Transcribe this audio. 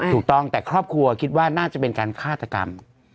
ถูกต้องแต่ครอบครัวคิดว่าน่าจะเป็นการฆาตกรรม